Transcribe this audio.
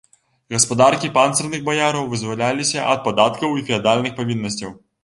Гаспадаркі панцырных баяраў вызваляліся ад падаткаў і феадальных павіннасцяў.